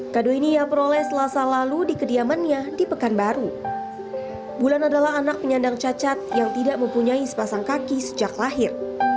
kado ini ia peroleh selasa lalu di kediamannya di pekanbaru bulan adalah anak penyandang cacat yang tidak mempunyai sepasang kaki sejak lahir